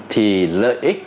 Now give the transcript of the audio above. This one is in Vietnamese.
thì lợi ích